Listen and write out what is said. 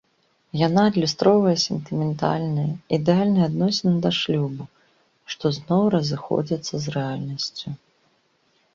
Яна адлюстроўвае сентыментальныя, ідэальныя адносіны да шлюбу, што зноў разыходзіцца з рэальнасцю.